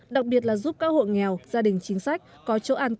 đặc biệt là giúp các hộ nghèo gia đình chính sách có chỗ an cư để lạc nghiệp